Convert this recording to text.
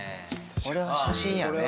これは写真やね。